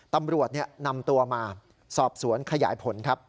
ตำรวจนำตัวมาสอบสวนขยายผลครับ